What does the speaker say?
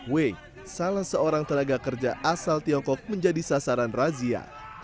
w salah seorang tenaga kerja asal tiongkok menjadi sasaran razia